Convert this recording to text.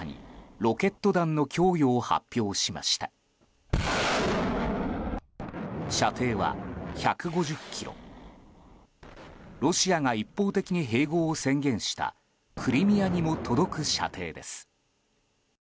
ロシアが一方的に併合を宣言したクリミアにも届く射程です。